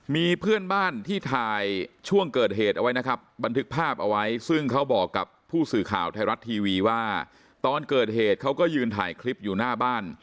มีเพื่อนบ้านที่ถ่ายช่วงเกิดเหตุเอาไว้นะครับบันทึกภาพเอาไว้ซึ่งเขาบอกกับผู้สื่อข่าวไทยรัฐทีวีว่าตอนเกิดเหตุเขาก็ยืนถ่ายคลิปอยู่หน้าบ้าน